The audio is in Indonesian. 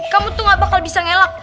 kamu tuh gak bakal bisa ngelak